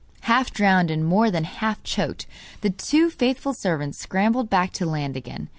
Half drowned, and more than half choked, the two faithful servants scrambled back to land again.